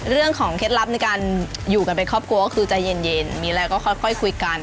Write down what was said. เคล็ดลับในการอยู่กันเป็นครอบครัวก็คือใจเย็นมีอะไรก็ค่อยคุยกัน